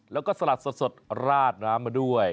แล้วก็สลัดสดราดน้ำมาด้วย